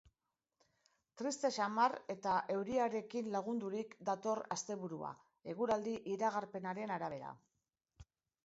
Triste samar eta euriarekin lagundurik dator asteburua, eguraldi iragarpenaren arabera.